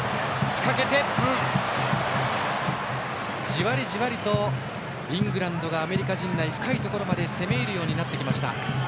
じわりじわりとイングランドがアメリカ陣内の深いところまで攻め入るようになってきました。